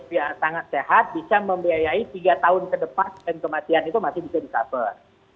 yang sangat sehat bisa membiayai tiga tahun ke depan dan kematian itu masih bisa di cover